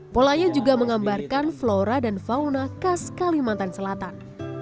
polanya juga menggambarkan flora dan fauna khas kalimantan selatan